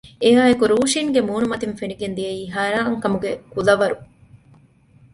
އެއާއެކު ރޫޝިންގެ މޫނުމަތިން ފެނިގެން ދިޔައީ ހައިރާންކަމުގެ ކުލަވަރު